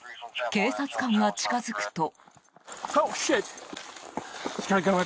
警察官が近づくと。